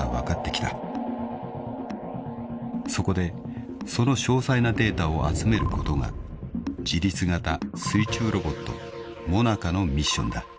［そこでその詳細なデータを集めることが自律型水中ロボットＭＯＮＡＣＡのミッションだ］